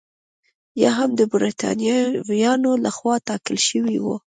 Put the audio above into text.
یا هم د برېټانویانو لخوا ټاکل شوي وو.